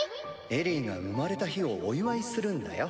エリィが生まれた日をお祝いするんだよ